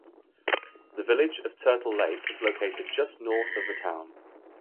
The Village of Turtle Lake is located just north of the town.